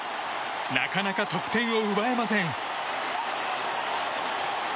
なかなか得点を奪えません。